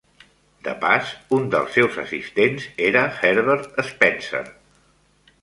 De pas, un dels seus assistents era Herbert Spencer.